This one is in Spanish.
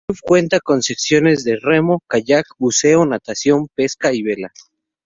El club cuenta con secciones de Remo, Kayak, Buceo, Natación, Pesca, y Vela.